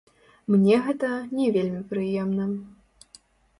Мне гэта не вельмі прыемна.